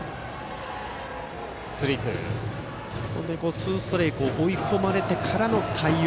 ツーストライクに追い込まれてからの対応。